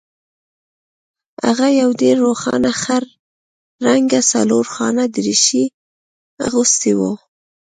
هغه یو ډیر روښانه خړ رنګه څلورخانه دریشي اغوستې وه